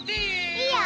いいよ。